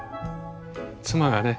妻がね